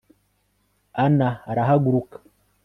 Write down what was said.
ana arahaguruka